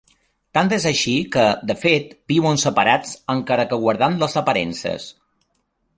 Tant és així que, de fet, viuen separats, encara que guardant les aparences.